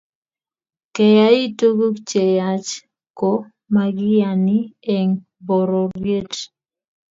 keyai tukuk che yach ko makiyani eng pororiet